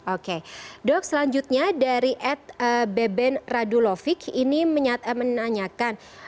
oke dok selanjutnya dari ed beben radulovic ini menanyakan